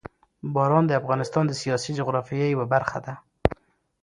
باران د افغانستان د سیاسي جغرافیه یوه برخه ده.